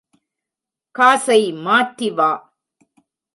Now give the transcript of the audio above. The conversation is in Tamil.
காசை மாற்றி வா.